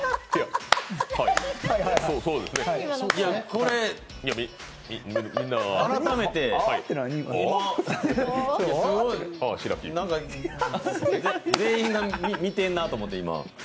これ改めて、全員が見てるなと思って、今。